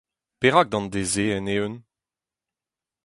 Perak d’an deiz-se end-eeun ?